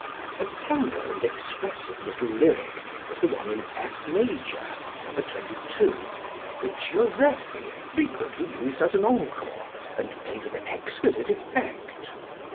A tender and expressive little lyric is the one in F major (No. 22), which Joseffy frequently used as an encore and played with exquisite effect.